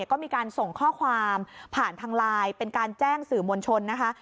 ก็มีการส่งข้อความผ่านทางไลน์เป็นการแจ้งสื่อมวลชนนะคะ